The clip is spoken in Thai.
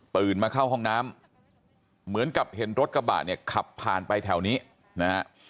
มาเข้าห้องน้ำเหมือนกับเห็นรถกระบะเนี่ยขับผ่านไปแถวนี้นะฮะ